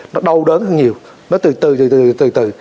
nó đau đớn hơn nhiều nó từ từ từ từ từ từ